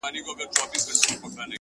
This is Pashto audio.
خــو ســــمـدم؛